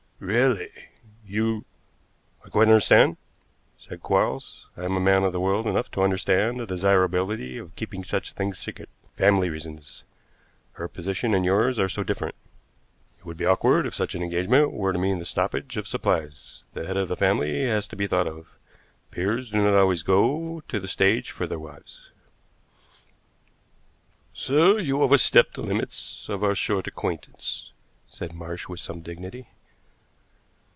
"Really, you " "I quite understand," said Quarles. "I am man of the world enough to understand the desirability of keeping such things secret. Family reasons. Her position and yours are so different. It would be awkward if such an engagement were to mean the stoppage of supplies. The head of the family has to be thought of. Peers do not always go to the stage for their wives." "Sir, you overstep the limits of our short acquaintance," said Marsh with some dignity.